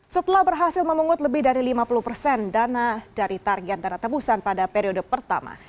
setelah berhasil memungut lebih dari lima puluh persen dana dari target dana tebusan pada periode pertama